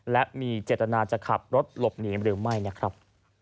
และมีเจตนาจะขับรถหลบหนีหรือไม่นะครับ